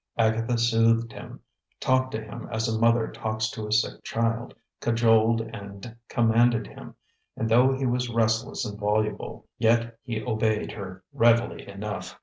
Agatha soothed him, talked to him as a mother talks to a sick child, cajoled and commanded him; and though he was restless and voluble, yet he obeyed her readily enough.